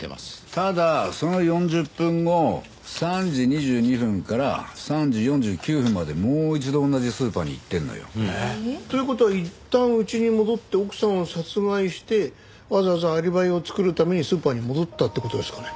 ただその４０分後３時２２分から３時４９分までもう一度同じスーパーに行ってるのよ。という事はいったん家に戻って奥さんを殺害してわざわざアリバイを作るためにスーパーに戻ったって事ですかね？